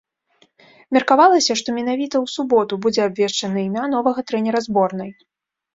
Меркавалася, што менавіта ў суботу будзе абвешчана імя новага трэнера зборнай.